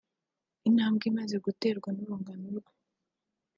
intambwe imaze guterwa n’urungano rwe